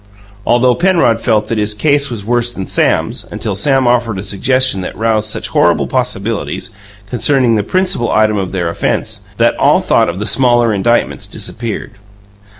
Altogether, Penrod felt that his case was worse than Sam's until Sam offered a suggestion that roused such horrible possibilities concerning the principal item of their offense that all thought of the smaller indictments disappeared.